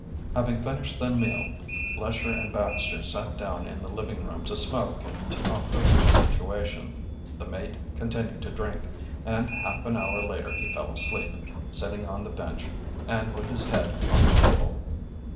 Having finished the meal, Lesher and Baxter sat down in the living room to smoke and to talk over the situation. The mate continued to drink, and half an hour later he fell asleep, sitting on the bench, and with his head on the table.